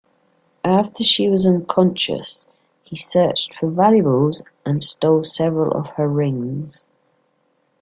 After she was unconscious, he searched for valuables and stole several of her rings.